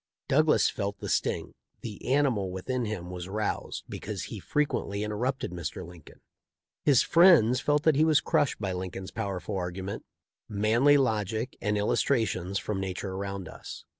Douglas felt the sting; the animal within him was roused be cause he frequently interrupted Mr. Lincoln. His friends felt that he was crushed by Lincoln's pow erful argument, manly logic, and illustrations from nature around us.